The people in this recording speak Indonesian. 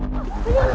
bening bening bening